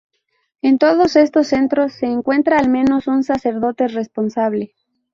En todos estos centros, se encuentra al menos un sacerdote responsable.